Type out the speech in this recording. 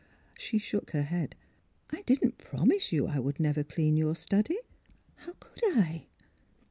" She shook her head. I didn't promise you I would never clean your study. How could I?